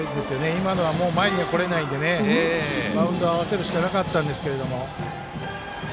今のは前に来れないのでバウンドを合わせるしかなかったんですが。